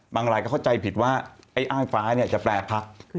มังรายก็เข้าใจผิดว่าไอ้อ้ายฟ้าจะแปรพัก